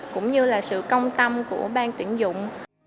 cũng như là sự công tâm của bang tuyển dụng